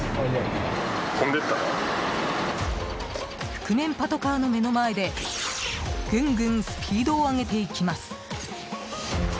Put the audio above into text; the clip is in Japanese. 覆面パトカーの目の前でぐんぐんスピードを上げていきます。